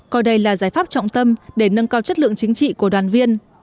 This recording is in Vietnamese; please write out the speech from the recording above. coi đây là giải pháp trọng tâm để nâng cao chất lượng chính trị của đoàn viên